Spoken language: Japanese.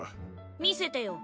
見せてよ。